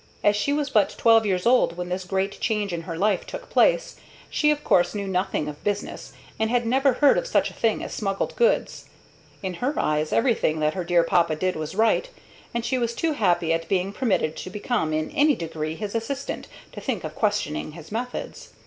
As she was but twelve years old when this great change in her life took place, she of course knew nothing of business, and had never heard of such a thing as smuggled goods. In her eyes everything that her dear papa did was right, and she was too happy at being permitted to become in any degree his assistant to think of questioning his methods.